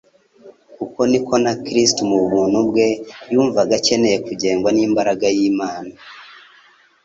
Uko niko na Kristo mu bumuntu bwe yumvaga akencye kugengwa n'imbaraga y'Imana.